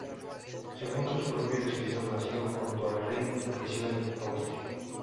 Según sus propios escritos nació junto al Rin y creció en Austria.